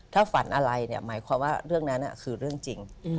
ถ้าฝันอะไรเนี่ยหมายความว่าเรื่องนั้นคือเรื่องจริง